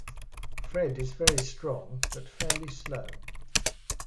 Fred is very strong, but fairly slow.